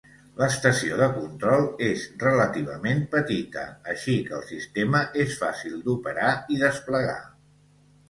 L'estació de control és relativament petita així que el sistema és fàcil d'operar i desplegar.